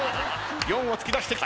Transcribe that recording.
４を突き出してきた。